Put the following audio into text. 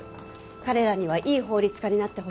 彼らにはいい法律家になってほしいので。